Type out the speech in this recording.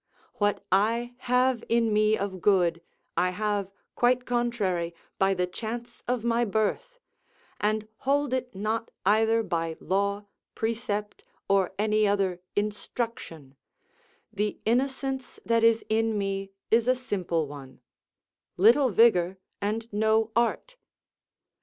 What I have in me of good, I have, quite contrary, by the chance of my birth; and hold it not either by law, precept, or any other instruction; the innocence that is in me is a simple one; little vigour and no art.